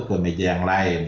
atau meja yang lain